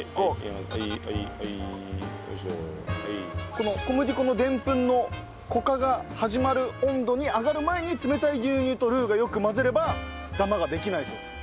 この小麦粉のデンプンの糊化が始まる温度に上がる前に冷たい牛乳とルーがよく混ざればダマができないそうです。